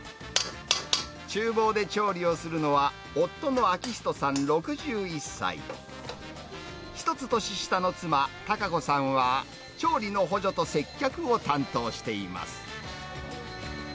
ちゅう房で調理をするのは、夫の明人さん６１歳、１つ年下の妻、孝子さんは調理の補助と接客を担当しています。